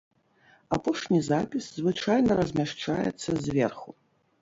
Апошні запіс звычайна размяшчаецца зверху.